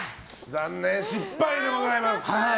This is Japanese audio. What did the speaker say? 残念、失敗でございます。